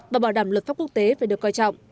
và bảo đảm luật pháp quốc tế phải được coi trọng